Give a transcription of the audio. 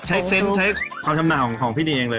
ใช้ด้วยความชำนาญของพี่เนียงเลย